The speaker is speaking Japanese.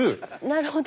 なるほど。